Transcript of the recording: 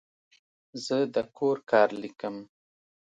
زه د کور کار لیکم.